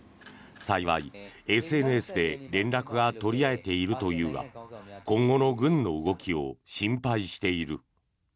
幸い、ＳＮＳで連絡が取り合えているというが今後の軍の動きを心配している。